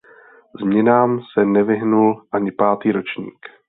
Změnám se nevyhnul ani pátý ročník.